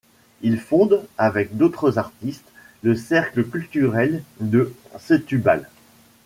Il fonde, avec d'autres artistes, le Cercle Culturel de Setúbal.